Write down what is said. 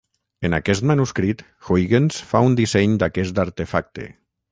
En aquest manuscrit, Huygens fa un disseny d'aquest artefacte.